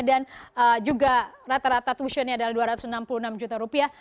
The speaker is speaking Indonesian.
dan juga rata rata tuitionnya adalah dua ratus enam puluh enam juta rupiah